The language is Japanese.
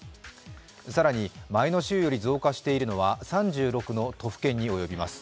更に前の週より増加しているのは３６の都府県に及びます。